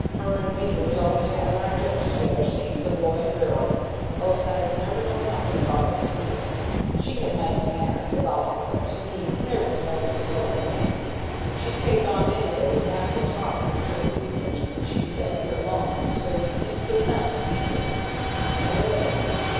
Her an' me was always havin' our jokes together same's a boy an' girl. Outsiders never'd know nothin' about it to see us. She had nice manners with all, but to me there was nobody so entertainin'. She'd take off anybody's natural talk winter evenin's when we set here alone, so you'd think 'twas them a speakin'. There, there!"